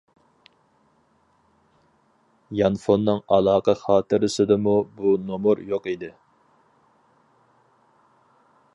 يانفوننىڭ ئالاقە خاتىرىسىدىمۇ بۇ نومۇر يوق ئىدى.